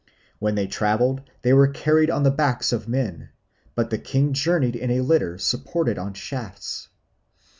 When they travelled they were carried on the backs of men; but the king journeyed in a litter supported on shafts.